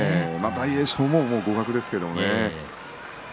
大栄翔も互角ですけどね。